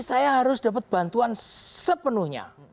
saya harus dapat bantuan sepenuhnya